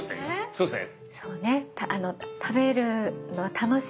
そうですね。